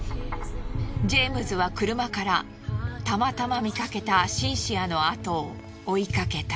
ジェームズは車からたまたま見かけたシンシアの後を追いかけた。